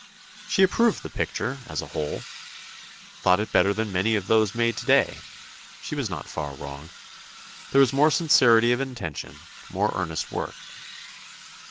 She approved the picture, as a whole. Thought it better than many of those made today. She was not far wrong. There was more sincerity of intention—more earnest work.